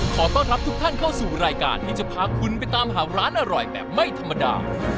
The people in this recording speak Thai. ขอต้อนรับทุกท่านเข้าสู่รายการที่จะพาคุณไปตามหาร้านอร่อยแบบไม่ธรรมดา